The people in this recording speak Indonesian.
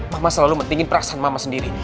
mama selalu pentingin perasaan mama sendiri